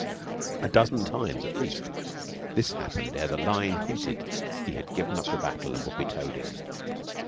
A dozen times, at least, this happened ere the line hinted he had given up the battle and would be towed in.